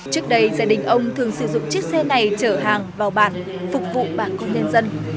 trước đây gia đình ông thường sử dụng chiếc xe này chở hàng vào bàn phục vụ bảng công nhân dân